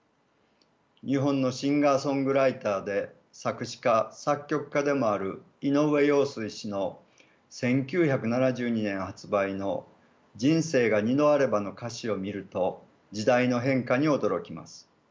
日本のシンガーソングライターで作詞家作曲家でもある井上陽水氏の１９７２年発売の「人生が二度あれば」の歌詞を見ると時代の変化に驚きます。